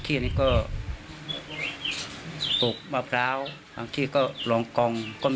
แต่ว่างแค่เพราะก็ไม่มีสต้องชาติโดด